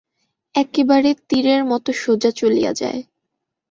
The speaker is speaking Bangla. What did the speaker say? একেবারে তীরের মতো সোজা চলিয়া যায়।